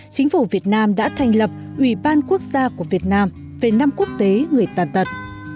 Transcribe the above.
chính phủ việt nam đã thành lập ủy ban quốc gia của việt nam về năm quốc tế người tàn tật